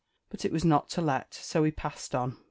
But it was not to let so we passed on.